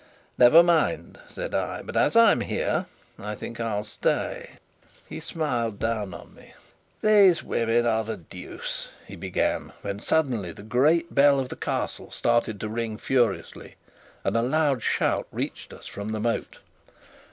"Never mind," said I; "but as I am here, I think I'll stay." He smiled down on me. "These women are the deuce " he began; when suddenly the great bell of the Castle started to ring furiously, and a loud shout reached us from the moat.